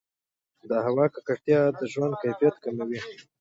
د هوا ککړتیا د ژوند کیفیت کموي.